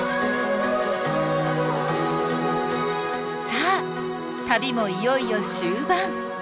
さあ旅もいよいよ終盤！